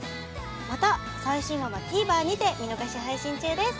また最新話は「ＴＶｅｒ」にて見逃し配信中です。